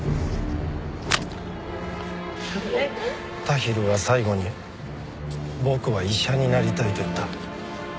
タヒルは最期に僕は医者になりたいと言った。